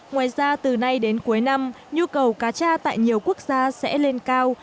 ngoài ra từ nay đến cuối năm nhu cầu cá tra tại nhiều quốc gia sẽ lên cao